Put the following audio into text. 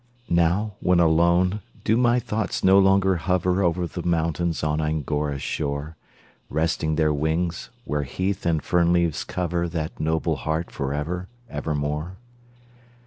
Now, when alone, do my thoughts no longer hover Over the mountains on Angora's shore, Resting their wings, where heath and fern leaves cover That noble heart for ever, ever more?